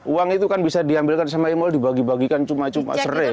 uang itu kan bisa diambilkan sama email dibagi bagikan cuma cuma sering